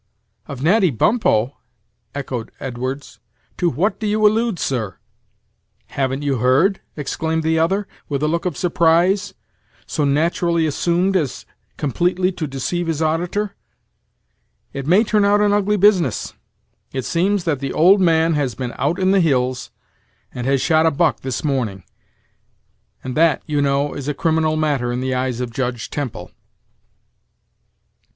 "Of Natty Bumppo!" echoed Edwards; "to what do you allude, sir?" "Haven't you heard!" exclaimed the other, with a look of surprise, so naturally assumed as completely to deceive his auditor; "it may turn out an ugly business. It seems that the old man has been out in the hills, and has shot a buck this morning, and that, you know, is a criminal matter in the eyes of Judge Temple."